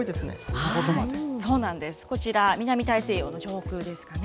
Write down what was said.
こちら、南大西洋の上空ですかね。